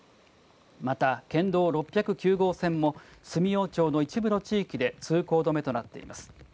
また県道６０９号線も住用町の一部の地域で通行止めとなっています。